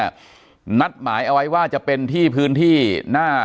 อย่างที่บอกไปว่าเรายังยึดในเรื่องของข้อ